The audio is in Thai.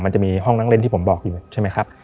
มันจะมีห้องนั่งเล่นที่ผมบอกอยู่ใช่ไหมครับ